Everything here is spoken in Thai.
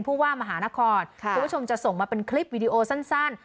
คุณผู้ชมจะส่งมาเป็นคลิปวิดีโอสั้น